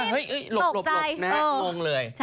หลบลงเลย